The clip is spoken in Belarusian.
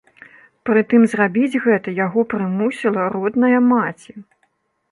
Прытым зрабіць гэта яго прымусіла родная маці.